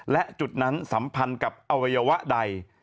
และจุดนั้นสัมพันธ์กับอวัยวะใด